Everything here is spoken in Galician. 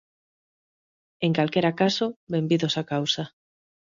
En calquera caso, benvidos á causa.